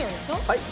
はい？